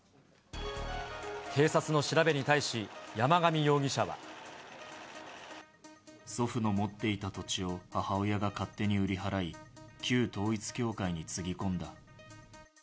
警察の調べに対し、山上容疑祖父の持っていた土地を母親が勝手に売り払い、旧統一教会につぎ込んだ。